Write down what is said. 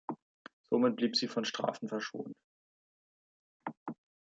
Somit blieb sie von Strafen verschont.